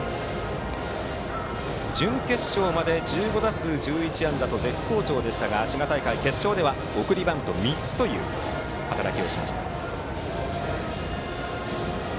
準決勝まで１５打数１１安打と絶好調でしたが滋賀大会決勝では送りバント３つという働き。